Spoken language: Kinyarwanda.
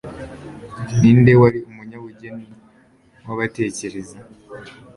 Ninde Wari Umunyabugeni Wabatekereza